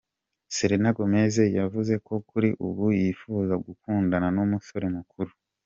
Selena Gomez yavuze ko kuri ubu yifuza gukundana n’umusore mukuru.